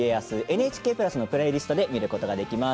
ＮＨＫプラスのプレイリストで見ることができます。